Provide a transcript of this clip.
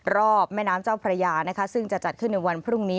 รอบแม่น้ำเจ้าพระยานะคะซึ่งจะจัดขึ้นในวันพรุ่งนี้